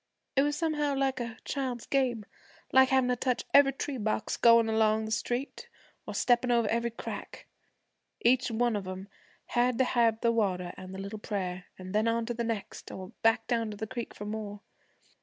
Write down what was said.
It was somehow like a child's game like havin' to touch every tree box goin' along the street, or steppin' over every crack. Each one of 'em had to have the water an' the little prayer, an' then on to the next, or back down to the creek for more.